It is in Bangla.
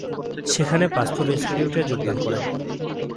সেখানে পাস্তুর ইনস্টিটিউটে যোগদান করেন।